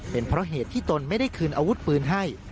เป็นเพราะเหตุที่ตนไม่ได้คืนอาวุธปืนให้